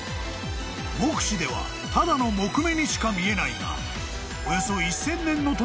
［目視ではただの木目にしか見えないがおよそ］